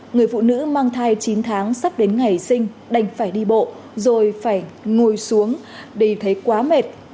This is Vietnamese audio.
người phụ nữ mang thai chín tháng sắp đến ngày sinh đành phải đi bộ rồi phải ngồi xuống vì thấy quá mệt